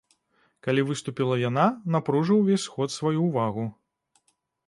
Калі выступіла яна, напружыў увесь сход сваю ўвагу.